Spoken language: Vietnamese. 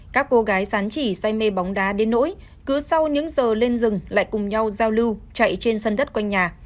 các cô gái sán chỉ say mê bóng đá đến nỗi cứ sau những giờ lên rừng lại cùng nhau giao lưu chạy trên sân đất quanh nhà